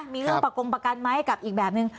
มีเรื่องประกงประกันไหมกับอีกแบบนึง